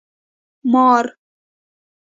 🪱 مار